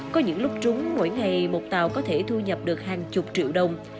có những lúc trúng mỗi ngày một tàu có thể thu nhập được hàng chục triệu đồng